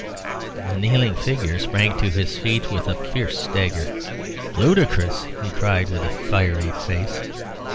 The kneeling figure sprang to his feet with a fierce stagger. "Ludicrous!" he cried, with a fiery face.